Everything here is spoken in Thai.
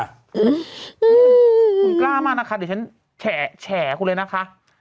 อืมคุณกล้ามากนะคะเดี๋ยวฉันแฉคุณเลยนะคะ